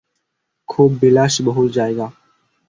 খুব বিলাসবহুল জায়গা।